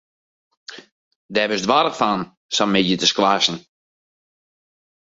Dêr wurdst warch fan, sa'n middei te squashen.